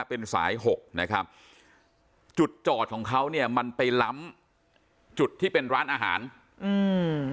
เป็นสายหกนะครับจุดจอดของเขาเนี่ยมันไปล้ำจุดที่เป็นร้านอาหารอืม